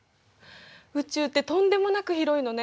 宇宙ってとんでもなく広いのね。